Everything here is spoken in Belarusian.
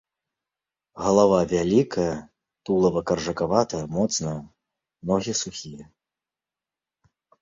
Галава вялікая, тулава каржакаватае, моцнае, ногі сухія.